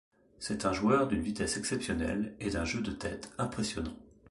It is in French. C'est un joueur d'une vitesse exceptionnelle et d'un jeu de tête impressionnant.